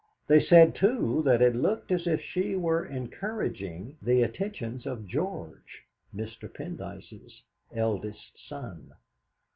They said, too, that it looked as if she were encouraging the attentions of George, Mr. Pendyce's eldest son.